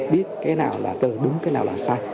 biết cái nào là đúng cái nào là sai